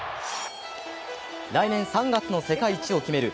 来年３月の世界一を決める